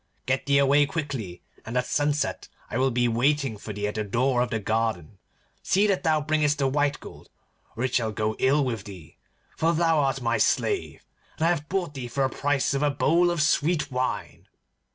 Get thee away quickly, and at sunset I will be waiting for thee at the door of the garden. See that thou bringest the white gold, or it shall go ill with thee, for thou art my slave, and I have bought thee for the price of a bowl of sweet wine.